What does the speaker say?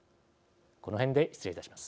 この辺で失礼いたします。